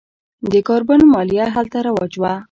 د کاربن مالیه هلته رواج ده.